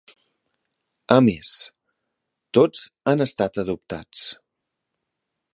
A més, tots han estat adoptats.